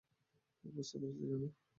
বুঝতে পেরেছি, জানু!